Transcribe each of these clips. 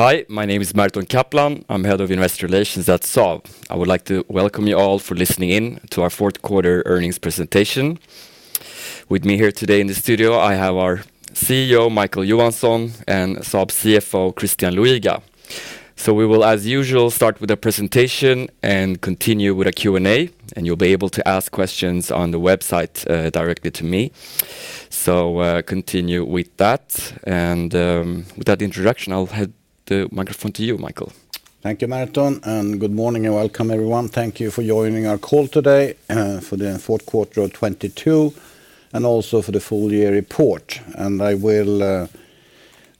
Hi, my name is Merton Kaplan. I'm Head of Investor Relations at Saab. I would like to welcome you all for listening in to our fourth quarter earnings presentation. With me here today in the studio, I have our CEO, Micael Johansson, and Saab CFO, Christian Luiga. We will, as usual, start with a presentation and continue with a Q&A, and you'll be able to ask questions on the website directly to me. Continue with that, and with that introduction, I'll hand the microphone to you, Micael. Thank you, Merton. Good morning and welcome, everyone. Thank you for joining our call today, for the fourth quarter of 2022, and also for the full year report. I will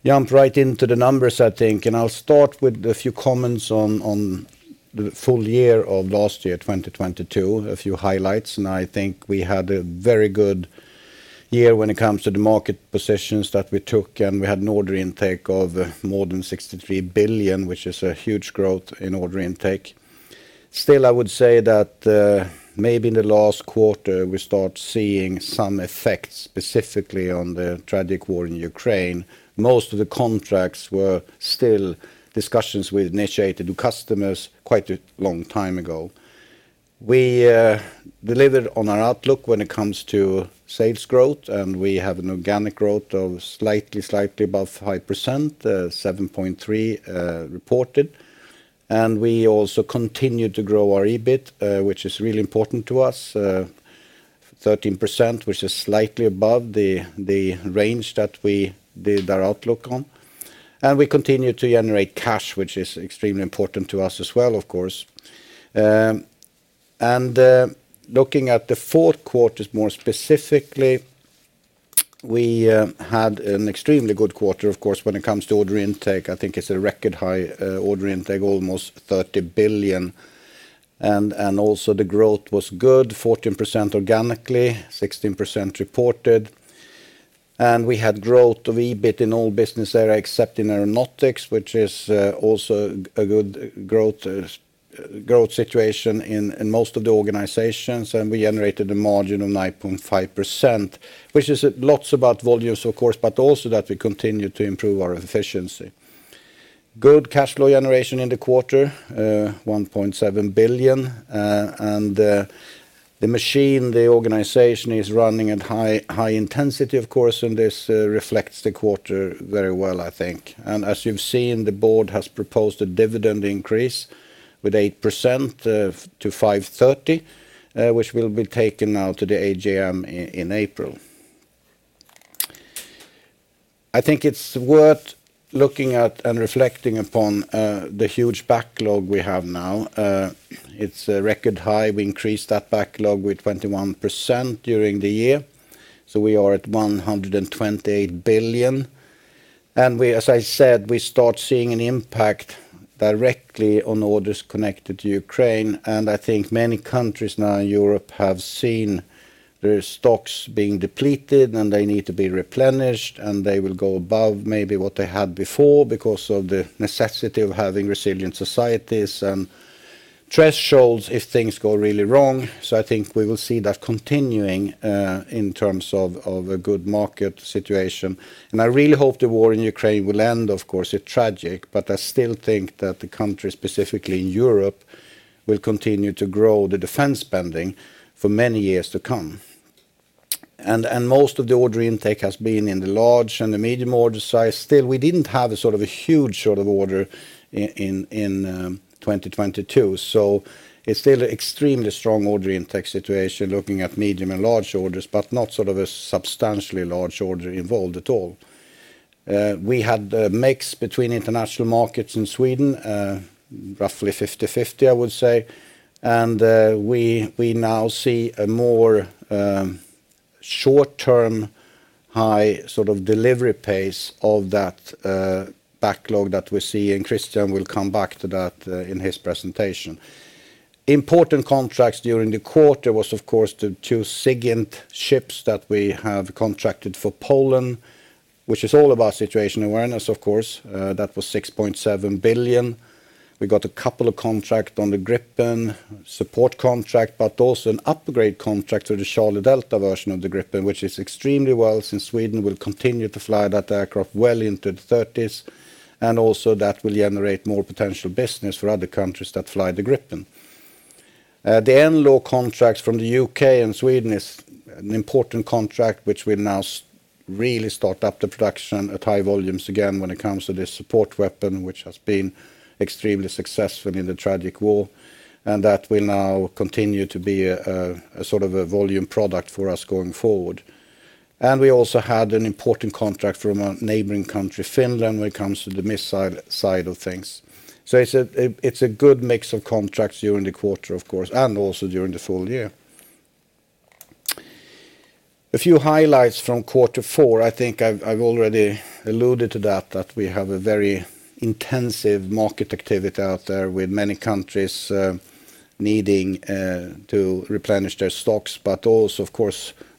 jump right into the numbers, I think, and I'll start with a few comments on the full year of last year, 2022, a few highlights. I think we had a very good year when it comes to the market positions that we took, and we had an order intake of more than 63 billion, which is a huge growth in order intake. Still, I would say that, maybe in the last quarter, we start seeing some effects specifically on the tragic war in Ukraine. Most of the contracts were still discussions we initiated with customers quite a long time ago. We delivered on our outlook when it comes to sales growth, we have an organic growth of slightly above 5%, 7.3% reported. We also continued to grow our EBIT, which is really important to us, 13%, which is slightly above the range that we did our outlook on. We continued to generate cash, which is extremely important to us as well, of course. Looking at the fourth quarter more specifically, we had an extremely good quarter, of course, when it comes to order intake. I think it's a record high order intake, almost 30 billion, and also the growth was good, 14% organically, 16% reported. We had growth of EBIT in all business area except in Aeronautics, which is also a good growth situation in most of the organizations, and we generated a margin of 9.5%, which is lots about volumes, of course, but also that we continue to improve our efficiency. Good cash flow generation in the quarter, 1.7 billion, and the machine, the organization is running at high intensity, of course, and this reflects the quarter very well, I think. As you've seen, the board has proposed a dividend increase with 8% to 5.30, which will be taken now to the AGM in April. I think it's worth looking at and reflecting upon the huge backlog we have now. It's a record high. We increased that backlog with 21% during the year, so we are at 128 billion. We, as I said, we start seeing an impact directly on orders connected to Ukraine, and I think many countries now in Europe have seen their stocks being depleted, and they need to be replenished, and they will go above maybe what they had before because of the necessity of having resilient societies and thresholds if things go really wrong. I think we will see that continuing in terms of a good market situation. I really hope the war in Ukraine will end, of course. It's tragic, but I still think that the countries specifically in Europe will continue to grow the defense spending for many years to come. Most of the order intake has been in the large and the medium order size. We didn't have a sort of a huge sort of order in 2022, so it's still an extremely strong order intake situation looking at medium and large orders, but not sort of a substantially large order involved at all. We had a mix between international markets in Sweden, roughly 50/50, I would say. We now see a more short-term, high sort of delivery pace of that backlog that we see, and Christian will come back to that in his presentation. Important contracts during the quarter was, of course, the two SIGINT ships that we have contracted for Poland, which is all about situation awareness, of course. That was 6.7 billion. We got a couple of contract on the Gripen, support contract, but also an upgrade contract to the Charlie/Delta version of the Gripen, which is extremely well since Sweden will continue to fly that aircraft well into the 2030s, and also that will generate more potential business for other countries that fly the Gripen. The NLAW contracts from the U.K. and Sweden is an important contract which will now really start up the production at high volumes again when it comes to this support weapon, which has been extremely successful in the tragic war, and that will now continue to be a sort of a volume product for us going forward. We also had an important contract from a neighboring country, Finland, when it comes to the missile side of things. It's a good mix of contracts during the quarter, of course, and also during the full year. A few highlights from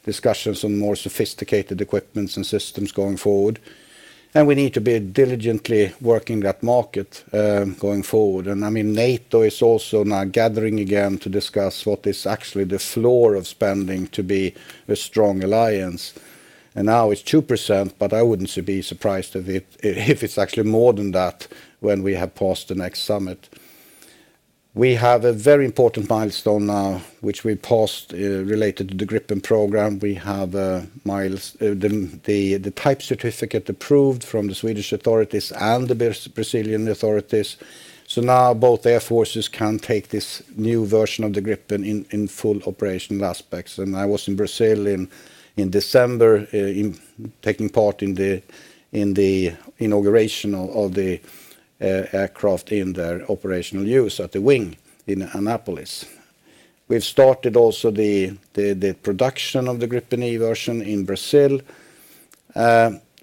quarter four, I think I've already alluded to that we have a very intensive market activity out there with many countries needing to replenish their stocks, but also, of course, discussions on more sophisticated equipments and systems going forward. We need to be diligently working that market going forward. I mean, NATO is also now gathering again to discuss what is actually the floor of spending to be a strong alliance. Now it's 2%, but I wouldn't be surprised if it's actually more than that when we have passed the next summit. We have a very important milestone now which we passed related to the Gripen program. We have the type certificate approved from the Swedish authorities and the Brazilian authorities. Now both air forces can take this new version of the Gripen in full operational aspects. I was in Brazil in December taking part in the inauguration of the aircraft in their operational use at the wing in Anápolis. We've started also the production of the Gripen E version in Brazil.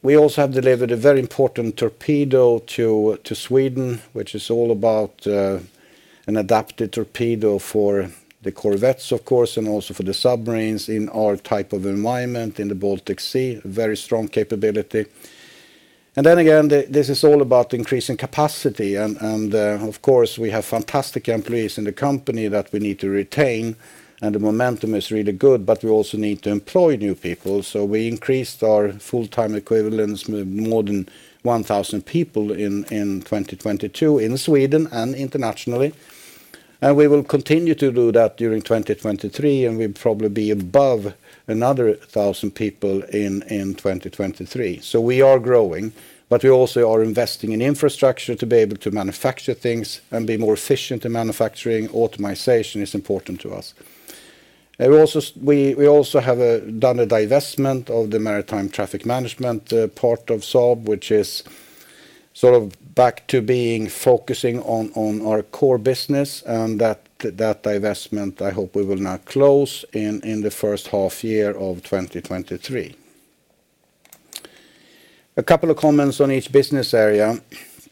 We also have delivered a very important torpedo to Sweden, which is all about an adapted torpedo for the corvettes, of course, and also for the submarines in our type of environment in the Baltic Sea, very strong capability. This is all about increasing capacity and, of course, we have fantastic employees in the company that we need to retain, and the momentum is really good, but we also need to employ new people. We increased our full-time equivalents more than 1,000 people in 2022 in Sweden and internationally. We will continue to do that during 2023, and we'll probably be above another 1,000 people in 2023. We are growing, but we also are investing in infrastructure to be able to manufacture things and be more efficient in manufacturing. Automation is important to us. We also have done a divestment of the Maritime Traffic Management part of Saab, which is sort of back to being focusing on our core business, and that divestment, I hope we will now close in the first half year of 2023. A couple of comments on each business area.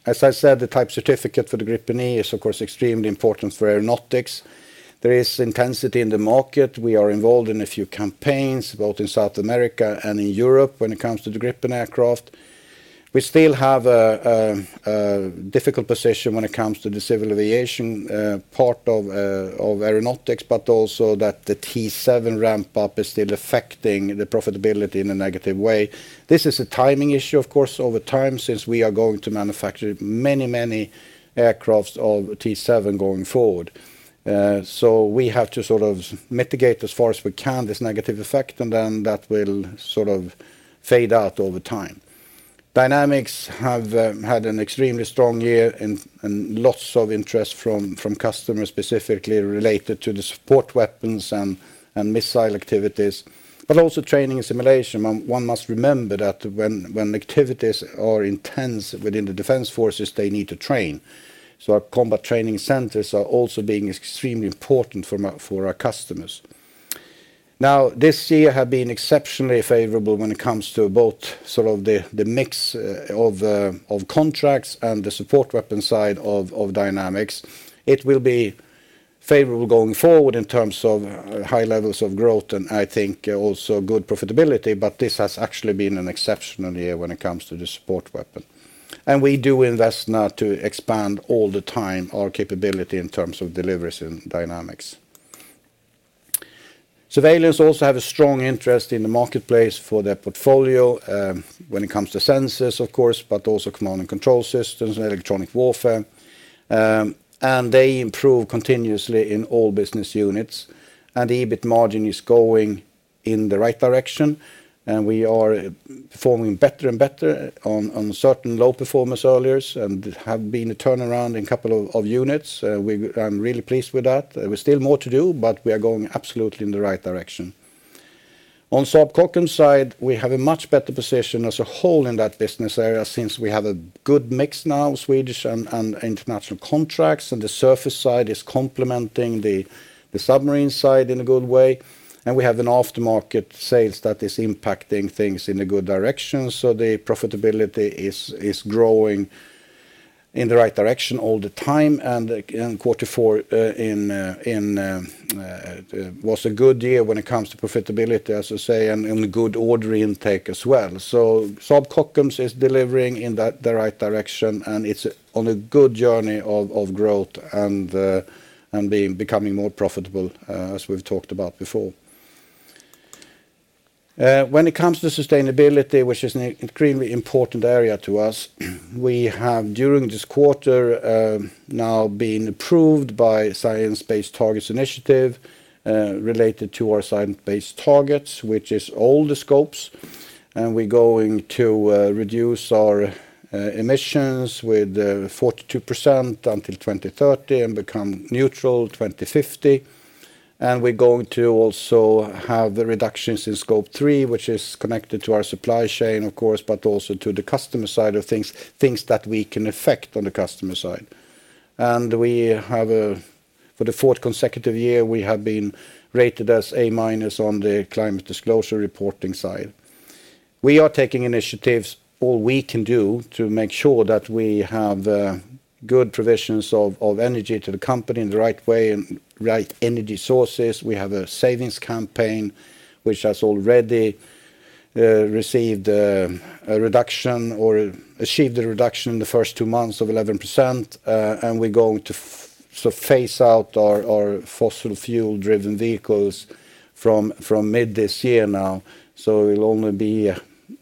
As I said, the type certificate for the Gripen E is, of course, extremely important for Aeronautics. There is intensity in the market. We are involved in a few campaigns, both in South America and in Europe when it comes to the Gripen aircraft. We still have a difficult position when it comes to the civil aviation part of Aeronautics, but also that the T-7 ramp-up is still affecting the profitability in a negative way. This is a timing issue, of course, over time, since we are going to manufacture many, many aircraft of T-7 going forward. We have to sort of mitigate as far as we can this negative effect, and then that will sort of fade out over time. Dynamics have had an extremely strong year and lots of interest from customers, specifically related to the support weapons and missile activities, but also training and simulation. One must remember that when activities are intense within the defense forces, they need to train. Our combat training centers are also being extremely important for our customers. Now, this year have been exceptionally favorable when it comes to both sort of the mix of contracts and the support weapon side of Dynamics. It will be favorable going forward in terms of high levels of growth, I think also good profitability. This has actually been an exceptional year when it comes to the support weapon. We do invest now to expand all the time our capability in terms of deliveries and Dynamics. Surveillance also have a strong interest in the marketplace for their portfolio, when it comes to sensors, of course, but also command and control systems and electronic warfare. They improve continuously in all business units, and EBIT margin is going in the right direction, and we are performing better and better on certain low performers earlier and have been a turnaround in a couple of units. I'm really pleased with that. There is still more to do. We are going absolutely in the right direction. On Saab Kockums side, we have a much better position as a whole in that business area since we have a good mix now of Swedish and international contracts, and the surface side is complementing the submarine side in a good way. We have an aftermarket sales that is impacting things in a good direction. The profitability is growing in the right direction all the time. Again, quarter four was a good year when it comes to profitability, as I say, and good order intake as well. Saab Kockums is delivering in the right direction, and it's on a good journey of growth and becoming more profitable, as we've talked about before. When it comes to sustainability, which is an extremely important area to us, we have, during this quarter, now been approved by Science Based Targets initiative, related to our science-based targets, which is all the scopes. We're going to reduce our emissions with 42% until 2030 and become neutral 2050. We're going to also have the reductions in Scope 3, which is connected to our supply chain, of course, but also to the customer side of things that we can affect on the customer side. We have, for the fourth consecutive year, we have been rated as A- on the climate disclosure reporting side. We are taking initiatives, all we can do to make sure that we have good provisions of energy to the company in the right way and right energy sources. We have a savings campaign which has already received a reduction or achieved a reduction in the first two months of 11%. We're going to phase out our fossil fuel-driven vehicles from mid this year now. It will only be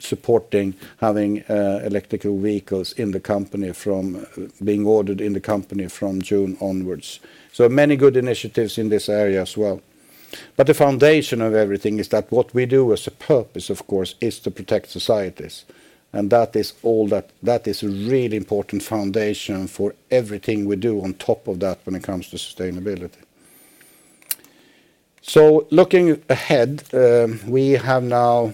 supporting having electrical vehicles in the company from being ordered in the company from June onwards. Many good initiatives in this area as well. The foundation of everything is that what we do as a purpose, of course, is to protect societies, and that is all that is a really important foundation for everything we do on top of that when it comes to sustainability. Looking ahead, we have now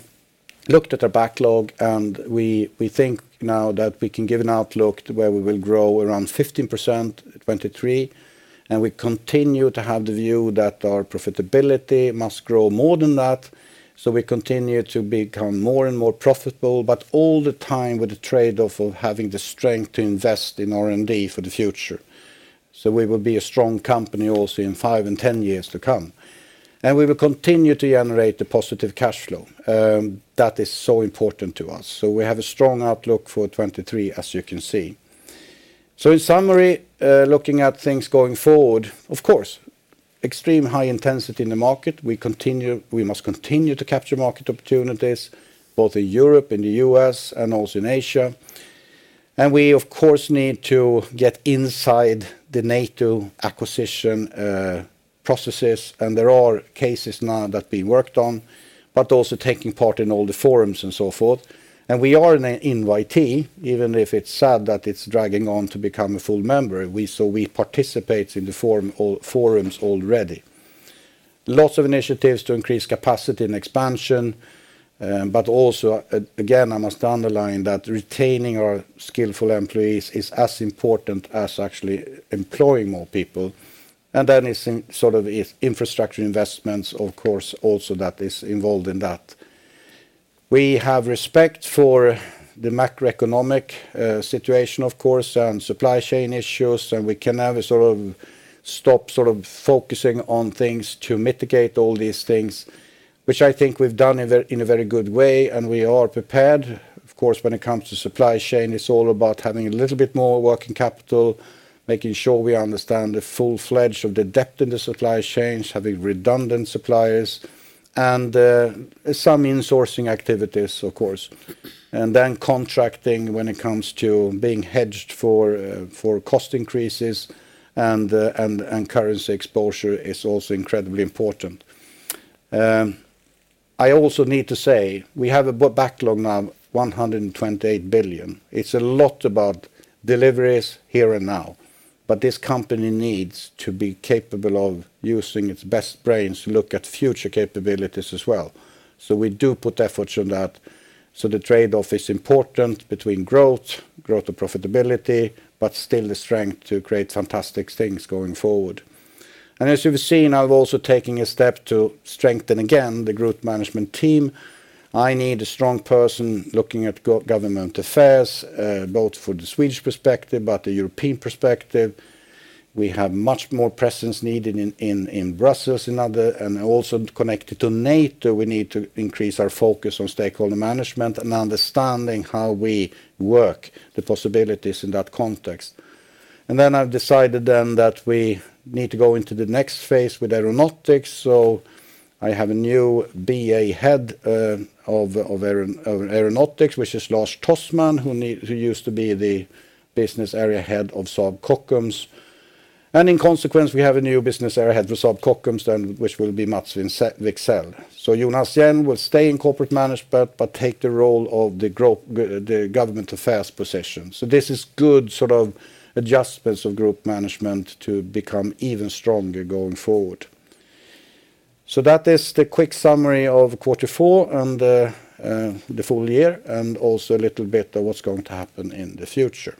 looked at our backlog, and we think now that we can give an outlook to where we will grow around 15% in 2023, and we continue to have the view that our profitability must grow more than that, so we continue to become more and more profitable, but all the time with the trade-off of having the strength to invest in R&D for the future. We will be a strong company also in five and 10 years to come, and we will continue to generate the positive cash flow that is so important to us. We have a strong outlook for 2023, as you can see. In summary, looking at things going forward, of course, extreme high intensity in the market. We must continue to capture market opportunities both in Europe, in the U.S., and also in Asia. We of course, need to get inside the NATO acquisition, processes, and there are cases now that we worked on, but also taking part in all the forums and so forth. We are an invitee, even if it's sad that it's dragging on to become a full member. We participate in the forums already. Lots of initiatives to increase capacity and expansion, but also again, I must underline that retaining our skillful employees is as important as actually employing more people. Then it's in sort of infrastructure investments, of course, also that is involved in that. We have respect for the macroeconomic situation, of course, and supply chain issues, and we can never sort of stop sort of focusing on things to mitigate all these things, which I think we've done in a very good way, and we are prepared. Of course, when it comes to supply chain, it's all about having a little bit more working capital, making sure we understand the full-fledged of the depth in the supply chains, having redundant suppliers and some insourcing activities, of course. Then contracting when it comes to being hedged for cost increases and currency exposure is also incredibly important. I also need to say we have a backlog now 128 billion. It's a lot about deliveries here and now, this company needs to be capable of using its best brains to look at future capabilities as well. We do put efforts on that. The trade-off is important between growth to profitability, but still the strength to create fantastic things going forward. As you've seen, I'm also taking a step to strengthen again the group management team. I need a strong person looking at government affairs, both for the Swedish perspective, but the European perspective. We have much more presence needed in Brussels and other... Also connected to NATO, we need to increase our focus on stakeholder management and understanding how we work the possibilities in that context. I've decided then that we need to go into the next phase with Aeronautics. I have a new BA head of Aeronautics, which is Lars Tossman, who used to be the business area head of Saab Kockums. In consequence, we have a new business area head for Saab Kockums which will be Mats Wicksell. Jonas Hjelm will stay in corporate management but take the role of the government affairs position. This is good sort of adjustments of group management to become even stronger going forward. That is the quick summary of quarter four and the full year and also a little bit of what's going to happen in the future.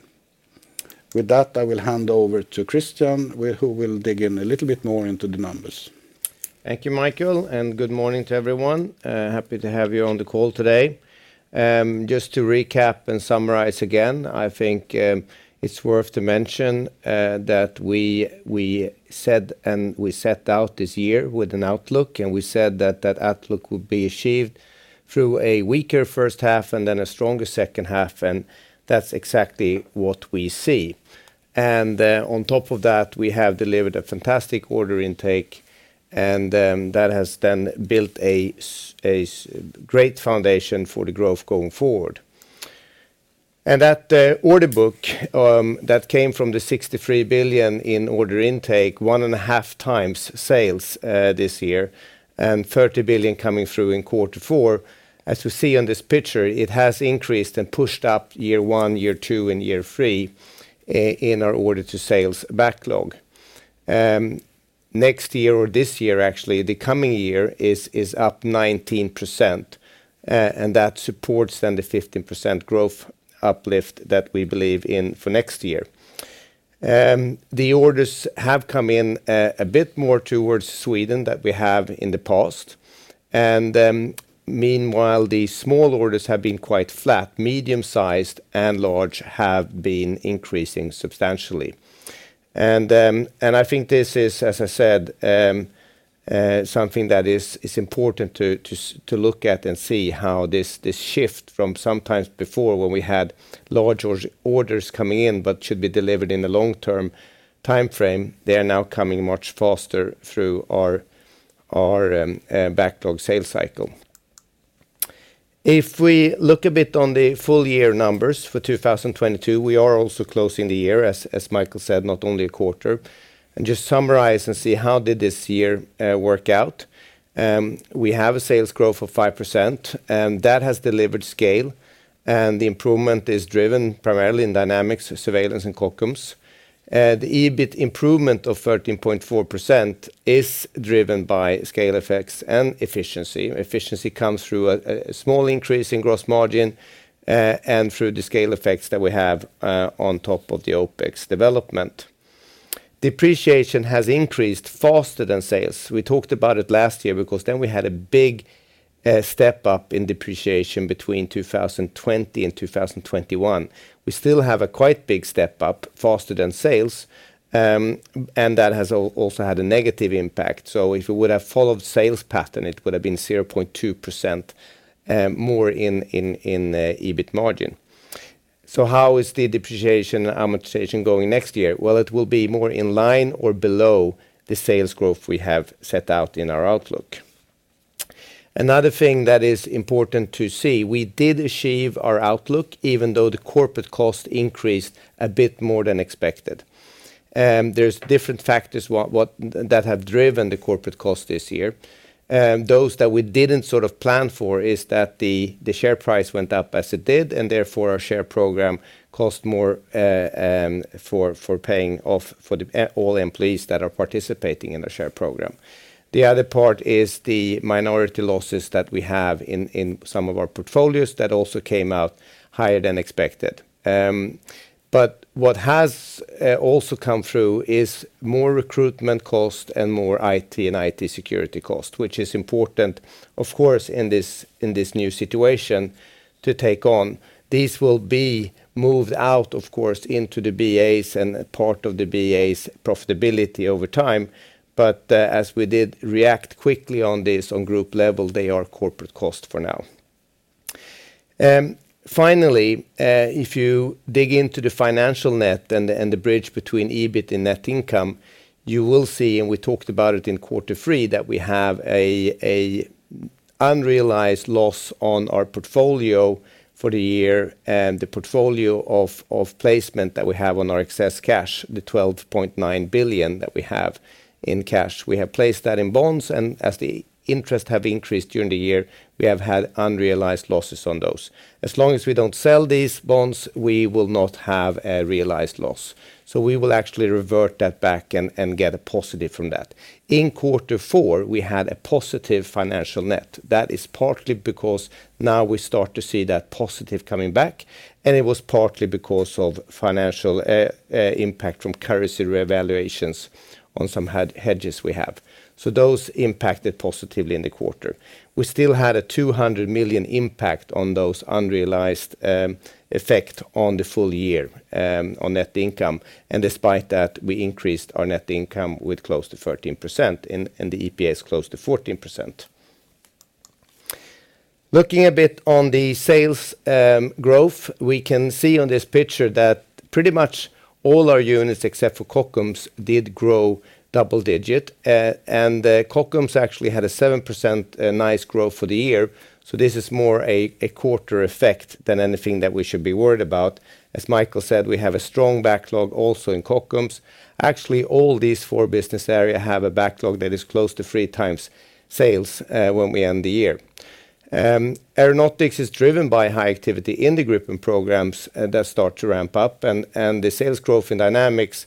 With that, I will hand over to Christian, who will dig in a little bit more into the numbers. Thank you, Micael, and good morning to everyone. Happy to have you on the call today. Just to recap and summarize again, I think, it's worth to mention, that we said, and we set out this year with an outlook, and we said that that outlook would be achieved through a weaker first half and then a stronger second half, and that's exactly what we see. On top of that, we have delivered a fantastic order intake, and, that has then built a great foundation for the growth going forward. That, order book, that came from the 63 billion in order intake, 1.5x sales, this year, and 30 billion coming through in quarter four. As you see on this picture, it has increased and pushed up year one, year two, and year three in our order to sales backlog. Next year or this year actually, the coming year is up 19%, and that supports then the 15% growth uplift that we believe in for next year. The orders have come in a bit more towards Sweden that we have in the past. Meanwhile, the small orders have been quite flat. Medium-sized and large have been increasing substantially. I think this is, as I said, something that is important to look at and see how this shift from sometimes before when we had large orders coming in but should be delivered in the long-term timeframe, they are now coming much faster through our backlog sales cycle. If we look a bit on the full year numbers for 2022, we are also closing the year as Micael said, not only a quarter, and just summarize and see how did this year work out. We have a sales growth of 5%, and that has delivered scale, and the improvement is driven primarily in Dynamics, Surveillance, and Kockums. The EBIT improvement of 13.4% is driven by scale effects and efficiency. Efficiency comes through a small increase in gross margin and through the scale effects that we have on top of the OpEx development. Depreciation has increased faster than sales. We talked about it last year because then we had a big step up in depreciation between 2020 and 2021. We still have a quite big step up faster than sales, and that has also had a negative impact. If it would have followed sales pattern, it would have been 0.2% more in EBIT margin. How is the depreciation amortization going next year? Well, it will be more in line or below the sales growth we have set out in our outlook. Another thing that is important to see, we did achieve our outlook even though the corporate cost increased a bit more than expected. There's different factors what that have driven the corporate cost this year. Those that we didn't sort of plan for is that the share price went up as it did, and therefore our share program cost more for paying off for the all employees that are participating in the share program. The other part is the minority losses that we have in some of our portfolios that also came out higher than expected. What has also come through is more recruitment cost and more IT and IT security cost, which is important, of course, in this new situation to take on. These will be moved out, of course, into the BAs and part of the BAs profitability over time. As we did react quickly on this on group level, they are corporate cost for now. Finally, if you dig into the financial net and the, and the bridge between EBIT and net income, you will see, and we talked about it in quarter three, that we have a unrealized loss on our portfolio for the year and the portfolio of placement that we have on our excess cash, the 12.9 billion that we have in cash. We have placed that in bonds, and as the interest have increased during the year, we have had unrealized losses on those. As long as we don't sell these bonds, we will not have a realized loss. We will actually revert that back and get a positive from that. In quarter four, we had a positive financial net. That is partly because now we start to see that positive coming back, and it was partly because of financial impact from currency revaluations on some hedges we have. Those impacted positively in the quarter. We still had a 200 million impact on those unrealized effect on the full year on net income. Despite that, we increased our net income with close to 13% and the EPS close to 14%. Looking a bit on the sales growth, we can see on this picture that pretty much all our units, except for Kockums, did grow double-digit. And Kockums actually had a 7% nice growth for the year. This is more a quarter effect than anything that we should be worried about. As Micael said, we have a strong backlog also in Kockums. Actually, all these four business area have a backlog that is close to three times sales when we end the year. Aeronautics is driven by high activity in the Gripen programs that start to ramp up and the sales growth in Dynamics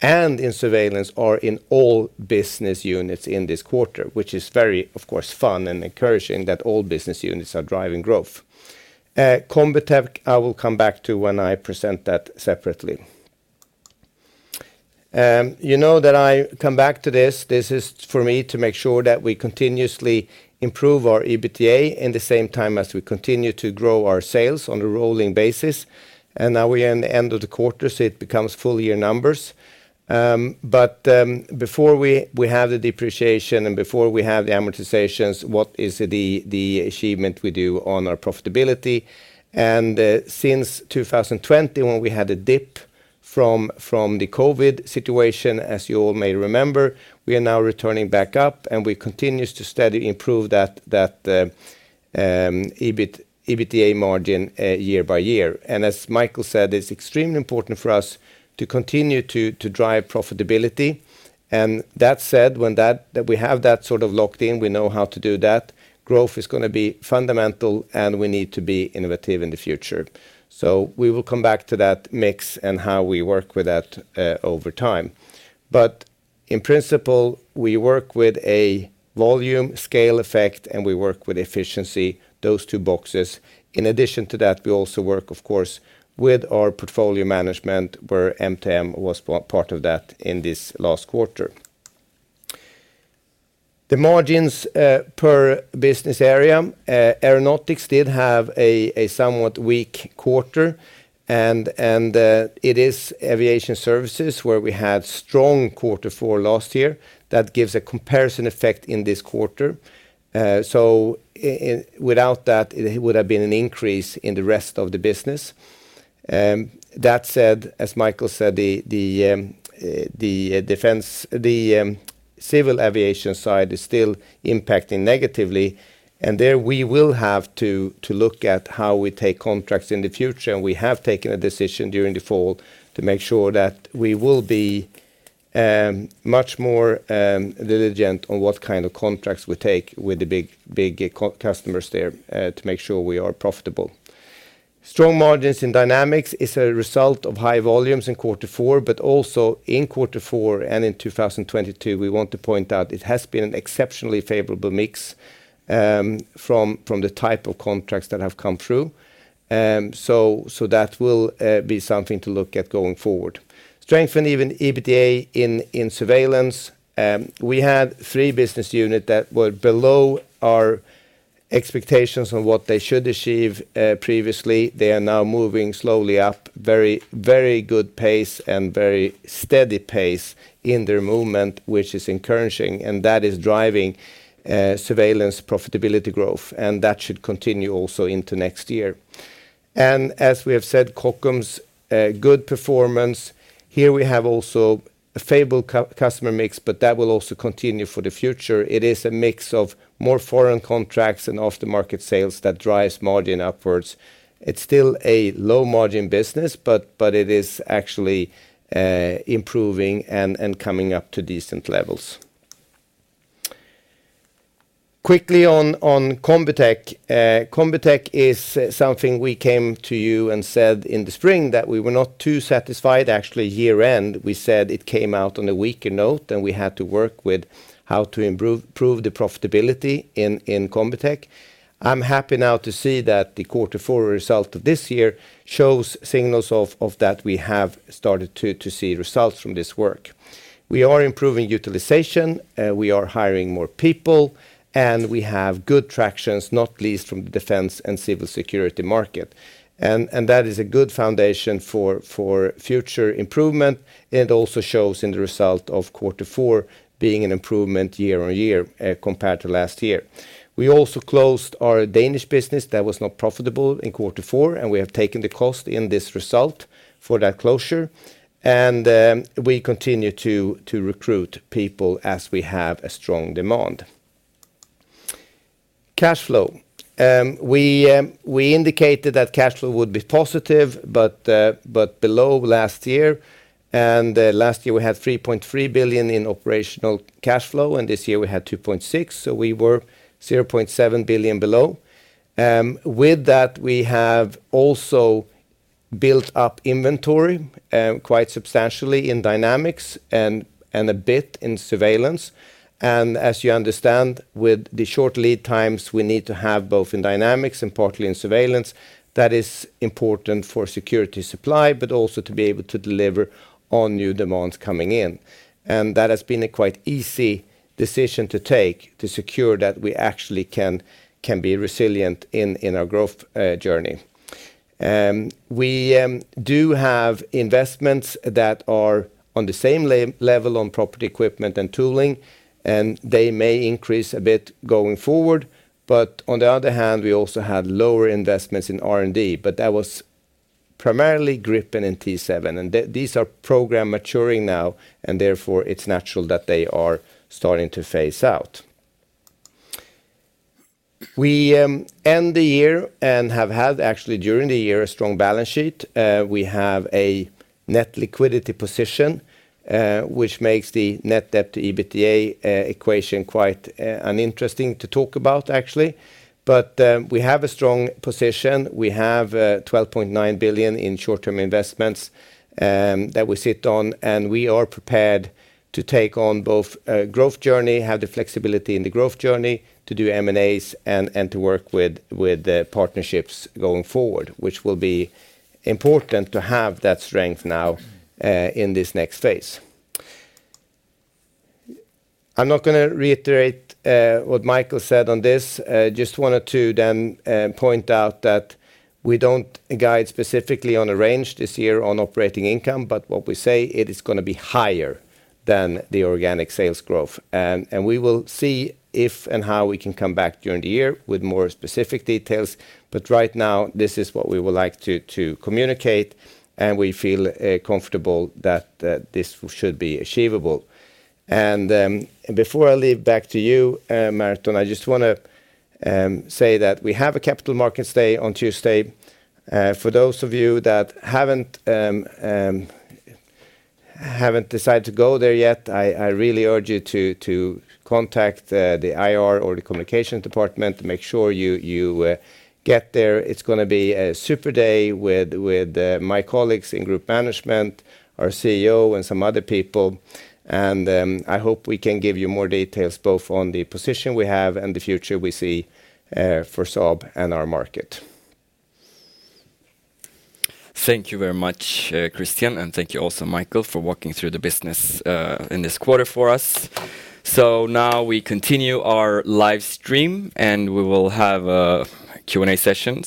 and in Surveillance are in all business units in this quarter, which is very, of course, fun and encouraging that all business units are driving growth. Combitech, I will come back to when I present that separately. You know that I come back to this. This is for me to make sure that we continuously improve our EBITDA in the same time as we continue to grow our sales on a rolling basis. Now we are in the end of the quarter, so it becomes full year numbers. Before we have the depreciation and before we have the amortizations, what is the achievement we do on our profitability? Since 2020, when we had a dip from the COVID situation, as you all may remember, we are now returning back up, and we continue to steadily improve that EBIT, EBITDA margin year by year. As Micael said, it's extremely important for us to continue to drive profitability. That said, when we have that sort of locked in, we know how to do that, growth is gonna be fundamental, and we need to be innovative in the future. We will come back to that mix and how we work with that over time. In principle, we work with a volume scale effect, and we work with efficiency, those two boxes. In addition to that, we also work, of course, with our portfolio management, where MTM was part of that in this last quarter. The margins per business area, Aeronautics did have a somewhat weak quarter. It is Aviation Services where we had strong quarter four last year. That gives a comparison effect in this quarter. So without that, it would have been an increase in the rest of the business. That said, as Micael said, the civil aviation side is still impacting negatively. There we will have to look at how we take contracts in the future, and we have taken a decision during the fall to make sure that we will be much more diligent on what kind of contracts we take with the big customers there to make sure we are profitable. Strong margins in Dynamics is a result of high volumes in quarter four, but also in quarter four and in 2022, we want to point out it has been an exceptionally favorable mix from the type of contracts that have come through. That will be something to look at going forward. Strengthened even EBITDA in Surveillance. We had three business unit that were below our expectations on what they should achieve previously. They are now moving slowly up, very, very good pace and very steady pace in their movement, which is encouraging. That is driving Surveillance profitability growth, and that should continue also into next year. As we have said, Kockums, good performance. Here we have also a favorable customer mix, but that will also continue for the future. It is a mix of more foreign contracts and off-the-market sales that drives margin upwards. It's still a low-margin business, but it is actually improving and coming up to decent levels. Quickly on Combitech. Combitech is something we came to you and said in the spring that we were not too satisfied. Actually, year-end, we said it came out on a weaker note, and we had to work with how to improve the profitability in Combitech. I'm happy now to see that the quarter four result of this year shows signals of that we have started to see results from this work. We are improving utilization, we are hiring more people, we have good tractions, not least from the defense and civil security market. That is a good foundation for future improvement. It also shows in the result of quarter four being an improvement year-on-year compared to last year. We also closed our Danish business that was not profitable in quarter four. We have taken the cost in this result for that closure. We continue to recruit people as we have a strong demand. Cash flow. We indicated that cash flow would be positive, but below last year. Last year, we had 3.3 billion in operational cash flow, and this year we had 2.6 billion, we were 0.7 billion below. With that, we have also built up inventory quite substantially in Dynamics and a bit in Surveillance. As you understand, with the short lead times we need to have both in Dynamics and partly in Surveillance, that is important for security supply, but also to be able to deliver on new demands coming in. That has been a quite easy decision to take to secure that we actually can be resilient in our growth journey. We do have investments that are on the same level on property equipment and tooling, they may increase a bit going forward. On the other hand, we also have lower investments in R&D, but that was primarily Gripen and T-7. These are program maturing now, and therefore it's natural that they are starting to phase out. We end the year and have had actually during the year a strong balance sheet. We have a net liquidity position, which makes the net debt to EBITDA equation quite uninteresting to talk about actually. We have a strong position. We have 12.9 billion in short-term investments that we sit on, and we are prepared to take on both growth journey, have the flexibility in the growth journey to do M&As and to work with the partnerships going forward, which will be important to have that strength now in this next phase. I'm not gonna reiterate what Micael said on this. Just wanted to then point out that we don't guide specifically on a range this year on operating income, but what we say it is gonna be higher than the organic sales growth. We will see if and how we can come back during the year with more specific details. Right now, this is what we would like to communicate, and we feel comfortable that this should be achievable. Before I leave back to you, Merton, I just wanna say that we have a Capital Markets Day on Tuesday. For those of you that haven't decided to go there yet, I really urge you to contact the IR or the communication department to make sure you get there. It's gonna be a super day with my colleagues in group management, our CEO, and some other people. I hope we can give you more details both on the position we have and the future we see for Saab and our market. Thank you very much, Christian, and thank you also, Micael, for walking through the business in this quarter for us. Now we continue our live stream, and we will have a Q&A session.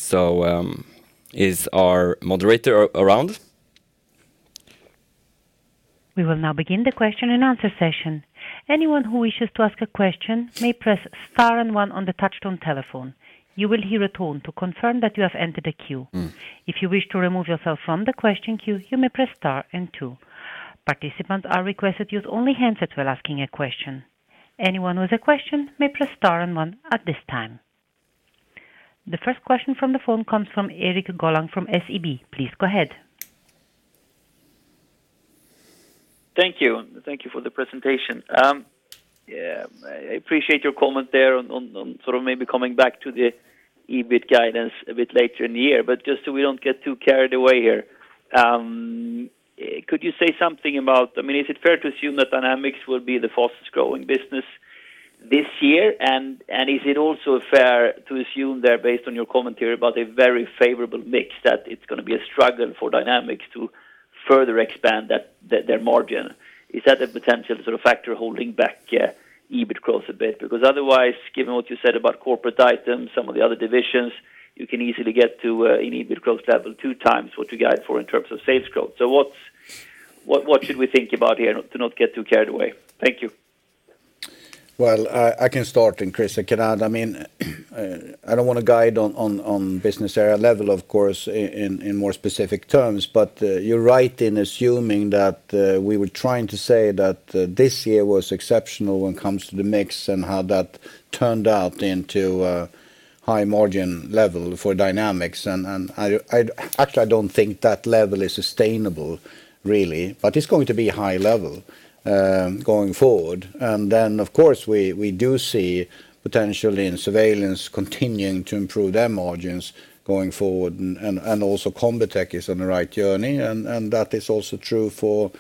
Is our moderator around? We will now begin the question and answer session. Anyone who wishes to ask a question may press star one on the touchtone telephone. You will hear a tone to confirm that you have entered a queue. Mm. If you wish to remove yourself from the question queue, you may press star and two. Participants are requested to use only handsets while asking a question. Anyone with a question may press star and 1 at this time. The first question from the phone comes from Erik Golrang from SEB. Please go ahead. Thank you. Thank you for the presentation. Yeah, I appreciate your comment there on sort of maybe coming back to the EBIT guidance a bit later in the year. Just so we don't get too carried away here, could you say something about, I mean, is it fair to assume that Dynamics will be the fastest growing business this year? Is it also fair to assume there, based on your commentary about a very favorable mix, that it's gonna be a struggle for Dynamics to further expand their margin? Is that a potential sort of factor holding back EBIT growth a bit? Otherwise, given what you said about corporate items, some of the other divisions, you can easily get to an EBIT growth level two times what you guide for in terms of sales growth. What should we think about here to not get too carried away? Thank you. Well, I can start, and Chris can add. I mean, I don't want to guide on business area level, of course, in more specific terms, but you're right in assuming that we were trying to say that this year was exceptional when it comes to the mix and how that turned out into a high margin level for Dynamics. And actually, I don't think that level is sustainable really, but it's going to be high level going forward. Then, of course, we do see potentially in Surveillance continuing to improve their margins going forward and also Combitech is on the right journey. That is also true for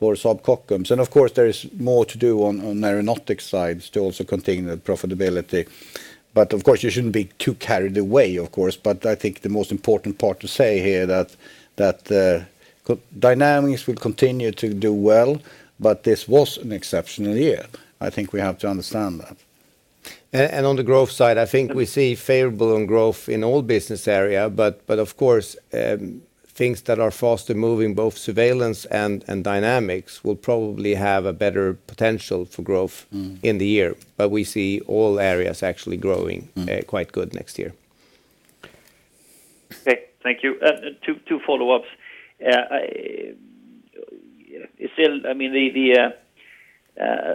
Saab Kockums. Of course, there is more to do on Aeronautics side to also contain the profitability. Of course, you shouldn't be too carried away, of course. I think the most important part to say here that Dynamics will continue to do well, but this was an exceptional year. I think we have to understand that. On the growth side, I think we see favorable growth in all business area. Of course, things that are fast moving, both Surveillance and Dynamics, will probably have a better potential for growth. Mm. -in the year. We see all areas actually growing. Mm. Quite good next year. Okay. Thank you. two follow-ups. still, I mean, the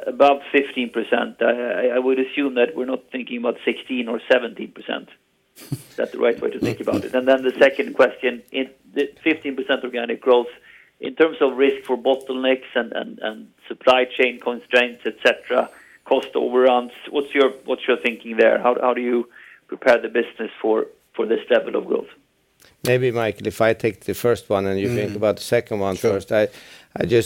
above 15%, I would assume that we're not thinking about 16% or 17%. Is that the right way to think about it? Then the second question, in the 15% organic growth, in terms of risk for bottlenecks and supply chain constraints, et cetera, cost overruns, what's your thinking there? How do you prepare the business for this level of growth? Maybe, Micael, if I take the first one, and you think about the second one first. Sure.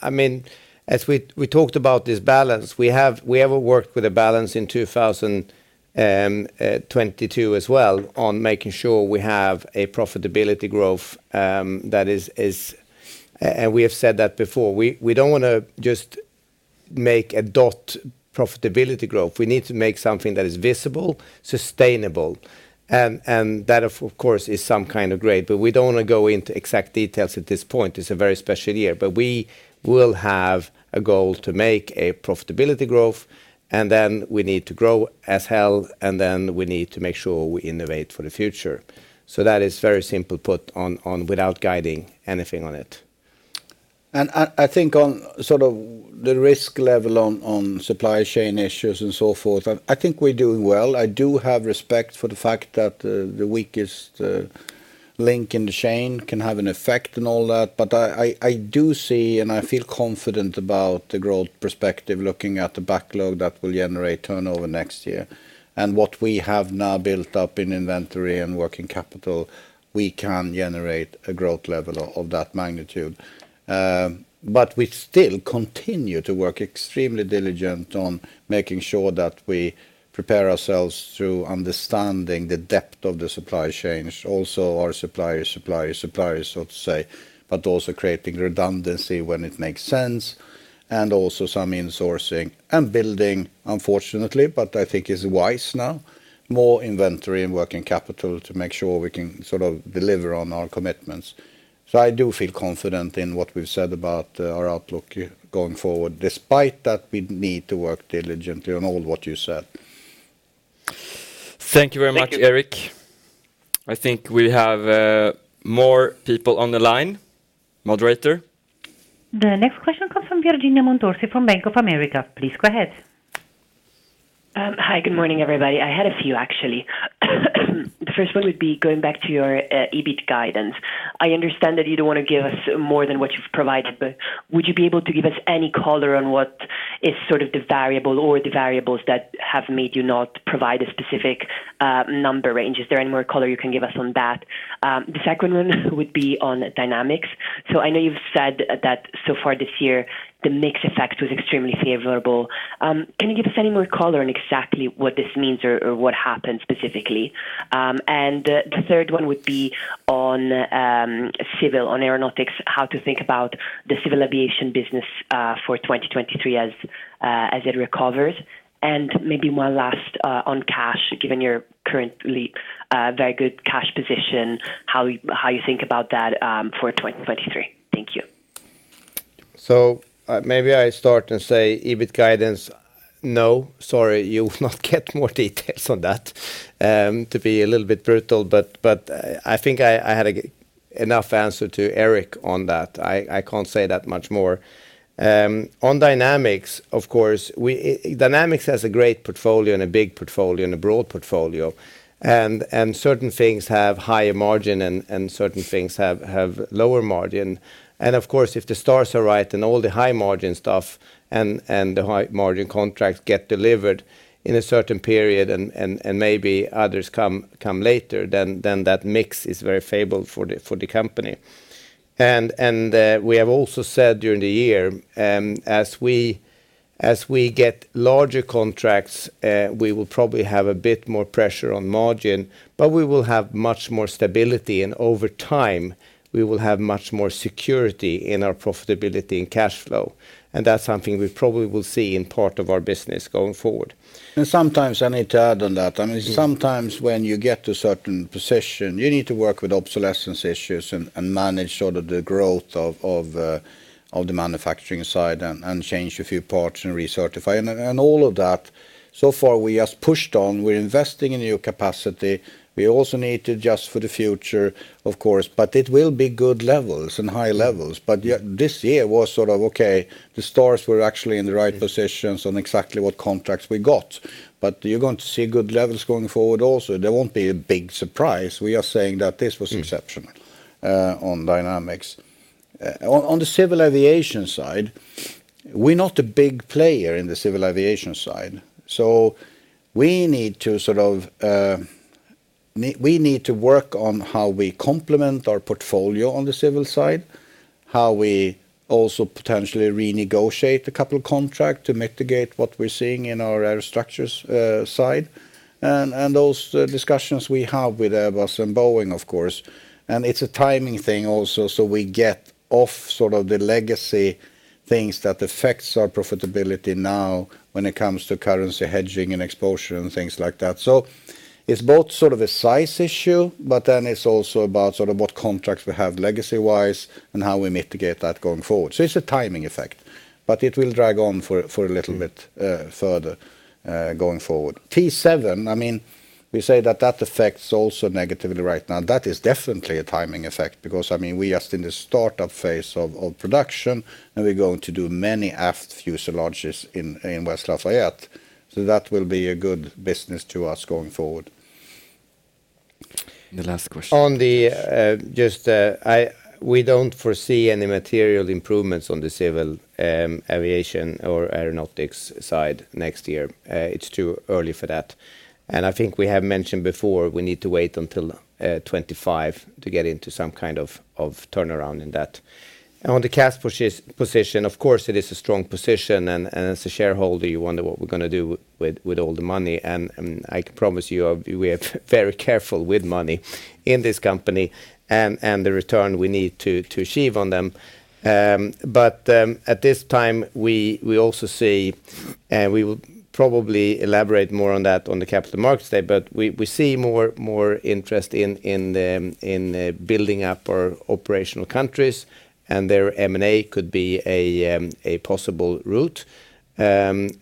I mean, as we talked about this balance, we have worked with a balance in 2022 as well on making sure we have a profitability growth that is. We have said that before. We don't wanna just make a dot profitability growth. We need to make something that is visible, sustainable, and that of course is some kind of grade. We don't want to go into exact details at this point. It's a very special year. We will have a goal to make a profitability growth, and then we need to grow as hell, and then we need to make sure we innovate for the future. That is very simple put on without guiding anything on it. I think on sort of the risk level on supply chain issues and so forth, I think we're doing well. I do have respect for the fact that the weakest link in the chain can have an effect and all that. I do see and I feel confident about the growth perspective looking at the backlog that will generate turnover next year. What we have now built up in inventory and working capital, we can generate a growth level of that magnitude. We still continue to work extremely diligent on making sure that we prepare ourselves through understanding the depth of the supply chains, also our supplier's supplier's suppliers, so to say, but also creating redundancy when it makes sense, and also some insourcing and building, unfortunately, but I think it's wise now. More inventory and working capital to make sure we can sort of deliver on our commitments. I do feel confident in what we've said about our outlook going forward, despite that we need to work diligently on all what you said. Thank you. Thank you very much, Eric. I think we have more people on the line. Moderator? The next question comes from Virginia Montorsi from Bank of America. Please go ahead. Hi. Good morning, everybody. I had a few, actually. The first one would be going back to your EBIT guidance. I understand that you don't want to give us more than what you've provided, but would you be able to give us any color on what is sort of the variable or the variables that have made you not provide a specific number range? Is there any more color you can give us on that? The second one would be on Dynamics. I know you've said that so far this year, the mix effect was extremely favorable. Can you give us any more color on exactly what this means or what happened specifically? The third one would be on Aeronautics, how to think about the civil aviation business for 2023 as it recovers? Maybe one last, on cash, given your currently, very good cash position, how you think about that, for 2023? Thank you. Maybe I start and say EBIT guidance, no, sorry. You will not get more details on that to be a little bit brutal. I think I had enough answer to Erik on that. I can't say that much more. On Dynamics, of course, Dynamics has a great portfolio and a big portfolio and a broad portfolio. Certain things have higher margin and certain things have lower margin. Of course, if the stars are right, then all the high margin stuff and the high margin contracts get delivered in a certain period and maybe others come later, then that mix is very favorable for the company. We have also said during the year, as we get larger contracts, we will probably have a bit more pressure on margin, but we will have much more stability. Over time, we will have much more security in our profitability and cash flow, and that's something we probably will see in part of our business going forward. Sometimes I need to add on that. I mean, sometimes when you get to a certain position, you need to work with obsolescence issues and manage sort of the growth of the manufacturing side and change a few parts and recertify. All of that, so far we just pushed on. We're investing in new capacity. We also need to adjust for the future, of course, but it will be good levels and high levels. This year was sort of, okay, the stars were actually in the right positions on exactly what contracts we got. You're going to see good levels going forward also. There won't be a big surprise. We are saying that this was exceptional on Dynamics. On the civil aviation side, we're not a big player in the civil aviation side. We need to sort of, we need to work on how we complement our portfolio on the civil side, how we also potentially renegotiate a couple contract to mitigate what we're seeing in our aerostructures side. Those discussions we have with Airbus and Boeing, of course. It's a timing thing also, so we get off sort of the legacy things that affects our profitability now when it comes to currency hedging and exposure and things like that. It's both sort of a size issue, but then it's also about sort of what contracts we have legacy-wise and how we mitigate that going forward. It's a timing effect, but it will drag on for a little bit further going forward. T-7, I mean, we say that that affects also negatively right now. That is definitely a timing effect because, I mean, we are still in the startup phase of production, and we're going to do many aft fuselages in West Lafayette, so that will be a good business to us going forward. The last question. On the just, we don't foresee any material improvements on the civil aviation or Aeronautics side next year. It's too early for that. I think we have mentioned before we need to wait until 2025 to get into some kind of turnaround in that. On the cash position, of course, it is a strong position and as a shareholder, you wonder what we're gonna do with all the money. I can promise you, we are very careful with money in this company and the return we need to achieve on them. At this time, we also see, we will probably elaborate more on that on the Capital Markets Day, but we see more interest in building up our operational countries, and their M&A could be a possible route. In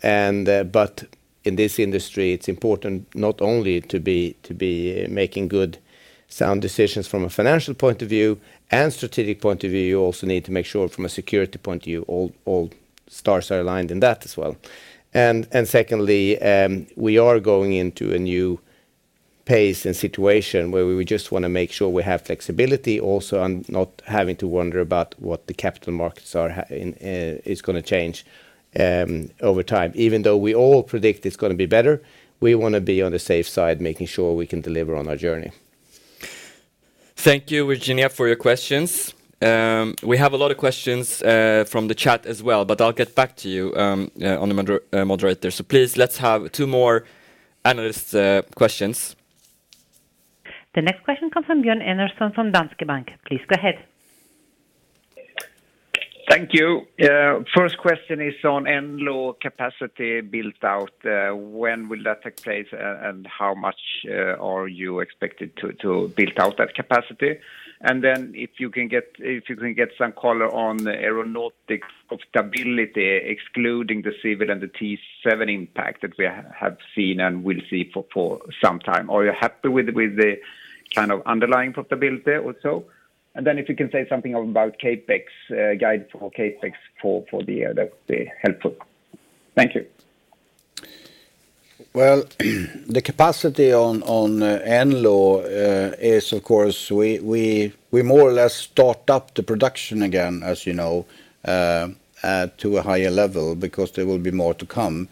this industry, it's important not only to be making good sound decisions from a financial point of view and strategic point of view, you also need to make sure from a security point of view, all stars are aligned in that as well. Secondly, we are going into a new pace and situation where we just wanna make sure we have flexibility also and not having to wonder about what the capital markets is gonna change over time. Even though we all predict it's gonna be better, we wanna be on the safe side, making sure we can deliver on our journey. Thank you, Virginia, for your questions. We have a lot of questions, from the chat as well, but I'll get back to you, on the moderator. Please, let's have two more analyst questions. The next question comes from Björn Enarson from Danske Bank. Please go ahead. Thank you. First question is on NLAW capacity built out. When will that take place and how much are you expected to build out that capacity? If you can get some color on the Aeronautics of stability, excluding the civil and the T-7 impact that we have seen and will see for some time. Are you happy with the kind of underlying profitability also? If you can say something about CapEx guide for CapEx for the year, that would be helpful. Thank you. The capacity on NLAW is of course we more or less start up the production again, as you know, to a higher level because there will be more to come.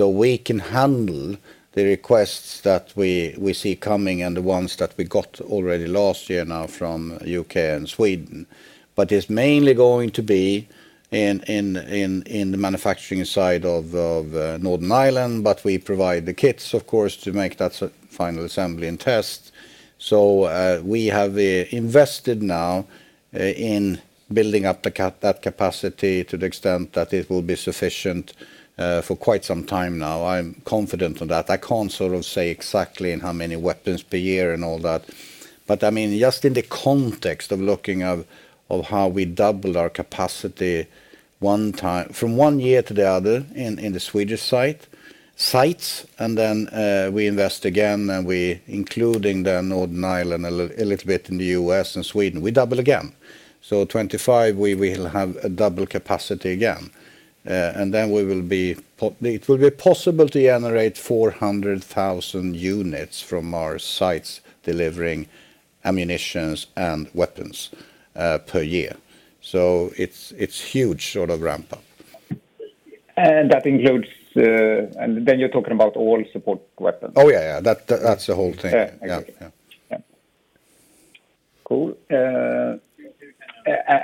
We can handle the requests that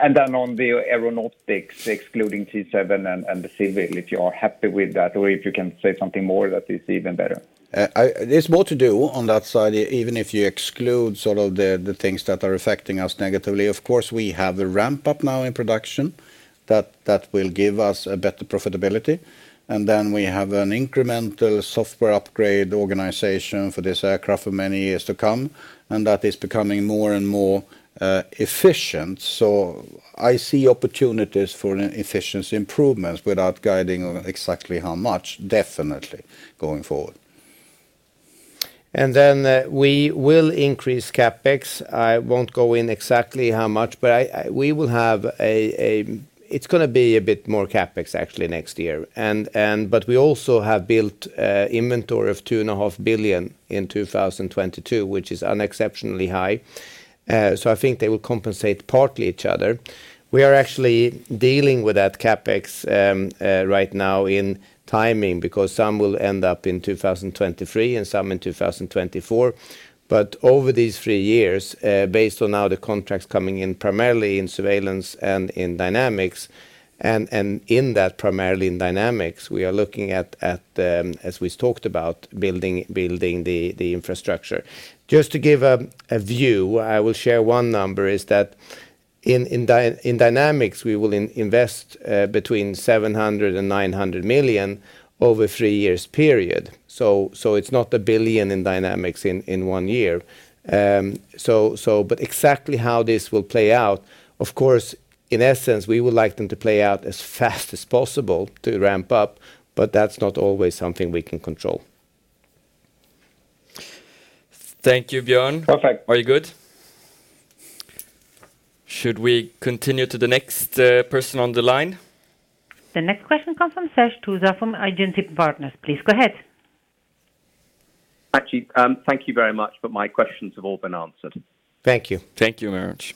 On the Aeronautics excluding T-7 and the civil, if you are happy with that, or if you can say something more that is even better? There's more to do on that side, even if you exclude sort of the things that are affecting us negatively. Of course, we have a ramp up now in production that will give us a better profitability. Then we have an incremental software upgrade organization for this aircraft for many years to come, and that is becoming more and more efficient. I see opportunities for efficiency improvements without guiding on exactly how much, definitely going forward. We will increase CapEx. I won't go in exactly how much, but it's going to be a bit more CapEx actually next year. We also have built inventory of 2.5 billion in 2022, which is unexceptionally high. I think they will compensate partly each other. We are actually dealing with that CapEx right now in timing because some will end up in 2023 and some in 2024. Over these three years, based on how the contracts coming in, primarily in Surveillance and in Dynamics, and in that, primarily in Dynamics, we are looking at, as we talked about, building the infrastructure. Just to give a view, I will share one number, is that in Dynamics, we will invest between 700 million and 900 million over three years period. It's not 1 billion in Dynamics in one year. But exactly how this will play out, of course, in essence, we would like them to play out as fast as possible to ramp up, but that's not always something we can control. Thank you, Björn. Perfect. Are you good? Should we continue to the next person on the line? The next question comes from Sash Tusa from Agency Partners. Please go ahead. Actually, thank you very much, but my questions have all been answered. Thank you. Thank you very much.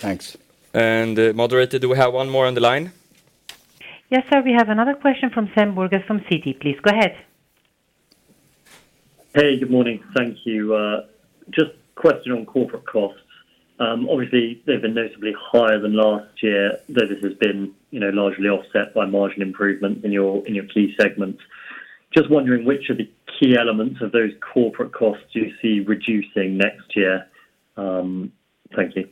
Thanks. Moderator, do we have one more on the line? Yes, sir. We have another question from Sam Burgess from Citi. Please go ahead. Hey, good morning. Thank you. Just question on corporate costs. Obviously, they've been notably higher than last year, though this has been, you know, largely offset by margin improvement in your, in your key segments. Just wondering which of the key elements of those corporate costs do you see reducing next year? Thank you.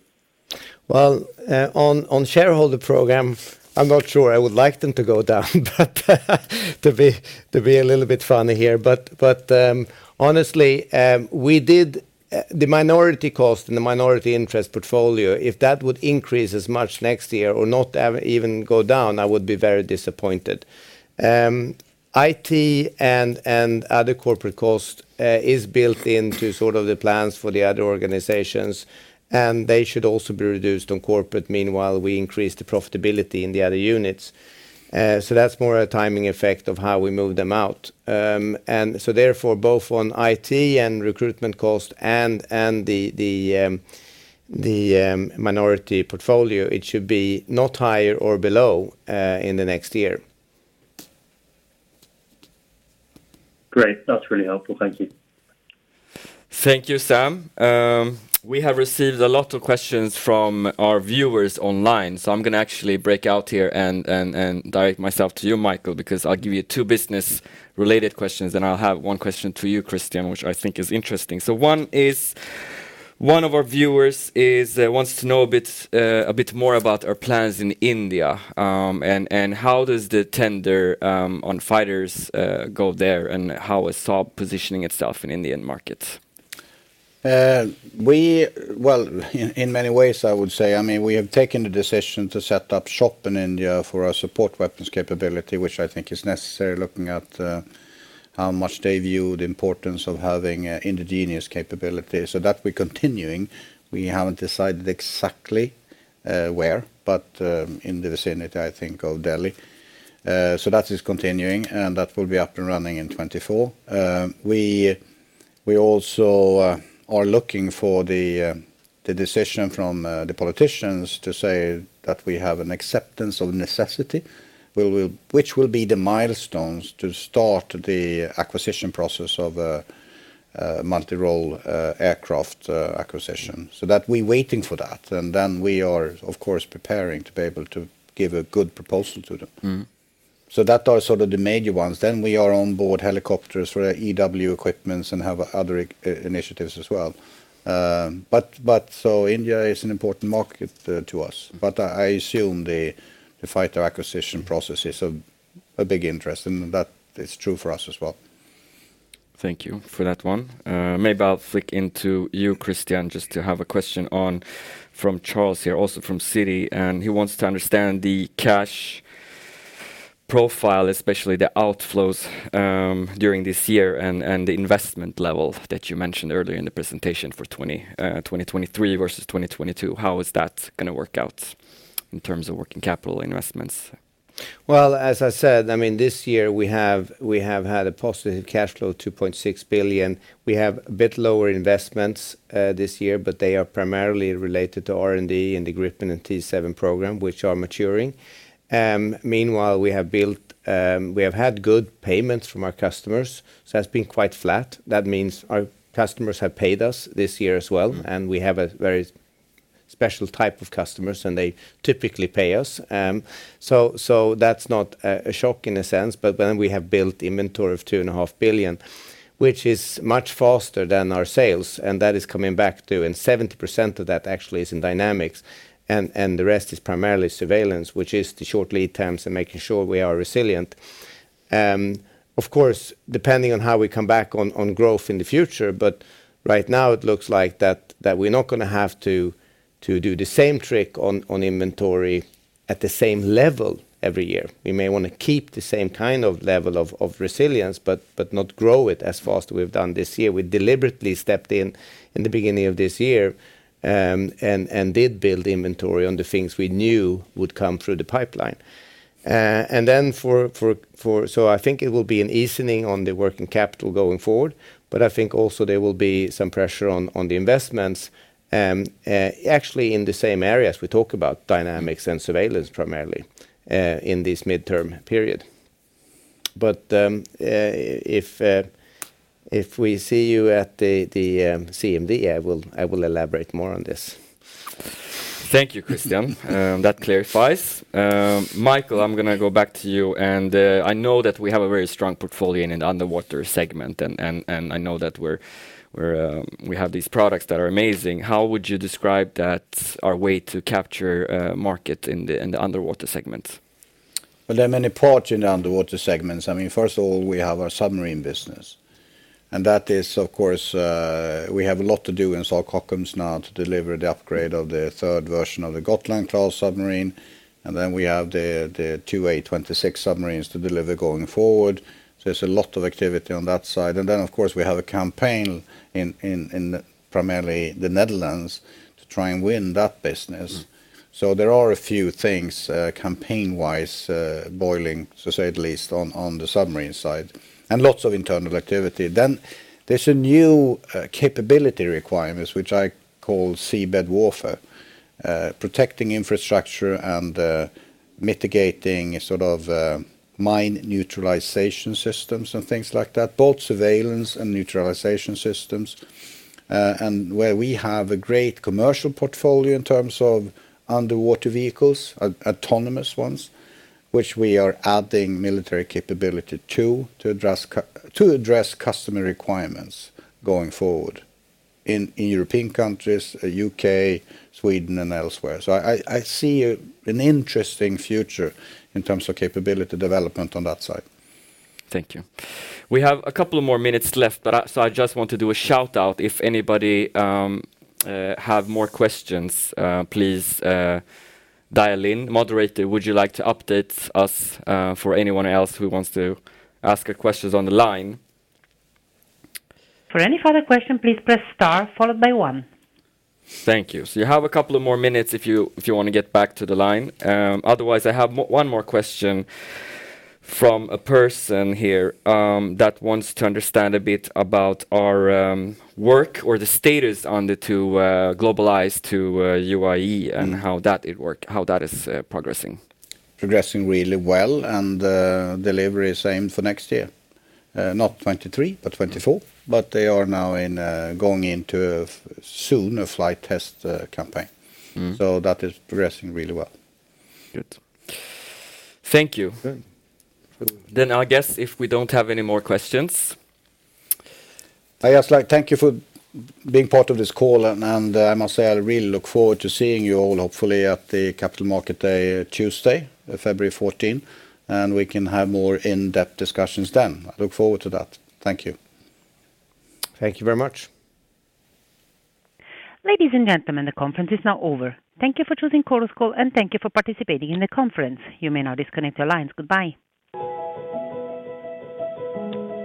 Well, on shareholder program, I'm not sure I would like them to go down, but to be a little bit funny here. Honestly, the minority cost and the minority interest portfolio, if that would increase as much next year or not even go down, I would be very disappointed. IT and other corporate cost is built into sort of the plans for the other organizations, and they should also be reduced on corporate. Meanwhile, we increase the profitability in the other units. That's more a timing effect of how we move them out. Therefore, both on IT and recruitment cost and the minority portfolio, it should be not higher or below in the next year. Great. That's really helpful. Thank you. Thank you, Sam. We have received a lot of questions from our viewers online, so I'm gonna actually break out here and direct myself to you, Micael Johansson, because I'll give you two business-related questions, and I'll have one question to you, Christian Luiga, which I think is interesting. One is, one of our viewers wants to know a bit, a bit more about our plans in India, and how does the tender, on fighters, go there and how is Saab positioning itself in Indian markets? In many ways, I would say, I mean, we have taken the decision to set up shop in India for our support weapons capability, which I think is necessary looking at how much they view the importance of having indigenous capability. That we're continuing. We haven't decided exactly where, but in the vicinity, I think, of Delhi. That is continuing, and that will be up and running in 2024. We also are looking for the decision from the politicians to say that we have an acceptance of necessity, which will be the milestones to start the acquisition process of a multi-role aircraft acquisition. That we're waiting for that, and then we are, of course, preparing to be able to give a good proposal to them. Mm-hmm. That are sort of the major ones. We are on board helicopters for EW equipments and have other initiatives as well. India is an important market to us. I assume the fighter acquisition processes of a big interest, and that is true for us as well. Thank you for that one. Maybe I'll flick into you, Christian, just to have a question on from Charles here, also from Citi, and he wants to understand the cash profile, especially the outflows, during this year and the investment level that you mentioned earlier in the presentation for 2023 versus 2022. How is that gonna work out in terms of working capital investments? Well, as I said, I mean, this year we have had a positive cash flow, 2.6 billion. We have a bit lower investments this year. They are primarily related to R&D and the Gripen and T-7 program, which are maturing. Meanwhile, we have had good payments from our customers. That's been quite flat. That means our customers have paid us this year as well. We have a very special type of customers. They typically pay us. That's not a shock in a sense, we have built inventory of 2.5 billion, which is much faster than our sales, and 70% of that actually is in Dynamics and the rest is primarily Surveillance, which is the short lead times and making sure we are resilient. Of course, depending on how we come back on growth in the future, right now it looks like we're not gonna have to do the same trick on inventory at the same level every year. We may want to keep the same kind of level of resilience but not grow it as fast we've done this year. We deliberately stepped in in the beginning of this year, and did build inventory on the things we knew would come through the pipeline. I think it will be an easing on the working capital going forward, but I think also there will be some pressure on the investments, actually in the same areas we talk about, Dynamics and Surveillance primarily, in this midterm period. If we see you at the CMD, I will elaborate more on this. Thank you, Christian. That clarifies. Micael, I'm gonna go back to you, and I know that we have a very strong portfolio in an underwater segment and I know that we're we have these products that are amazing. How would you describe that our way to capture market in the underwater segment? Well, there are many parts in the underwater segments. I mean, first of all, we have our submarine business, and that is of course, we have a lot to do in Saab Kockums now to deliver the upgrade of the third version of the Gotland-class submarine, then we have the two A26 submarines to deliver going forward. There's a lot of activity on that side. Then, of course, we have a campaign in primarily the Netherlands to try and win that business. Mm. There are a few things, campaign-wise, boiling, to say the least, on the submarine side, and lots of internal activity. There's a new, capability requirements, which I call seabed warfare, protecting infrastructure and, mitigating sort of, mine neutralization systems and things like that, both surveillance and neutralization systems. Where we have a great commercial portfolio in terms of underwater vehicles, autonomous ones, which we are adding military capability to address customer requirements going forward in European countries, U.K., Sweden, and elsewhere. I see a, an interesting future in terms of capability development on that side. Thank you. We have a couple of more minutes left, but I just want to do a shout-out. If anybody have more questions, please dial in. Moderator, would you like to update us for anyone else who wants to ask a questions on the line? For any further question, please press star followed by one. Thank you. You have a couple of more minutes if you want to get back to the line. Otherwise, I have one more question from a person here that wants to understand a bit about our work or the status on the two GlobalEye to U.A.E. and how that is progressing. Progressing really well, and delivery is aimed for next year. Not 2023 but 2024, but they are now in going into soon a flight test campaign. Mm. That is progressing really well. Good. Thank you. Good. I guess if we don't have any more questions. I just like thank you for being part of this call. I must say I really look forward to seeing you all hopefully at the Capital Markets Day, Tuesday, February 14th. We can have more in-depth discussions then. I look forward to that. Thank you. Thank you very much. Ladies and gentlemen, the conference is now over. Thank you for choosing Chorus Call, and thank you for participating in the conference. You may now disconnect your lines. Goodbye.